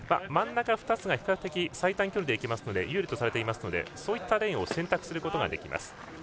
真ん中２つが比較的最短距離できますので有利とされていますのでそういったレーンを選択することができます。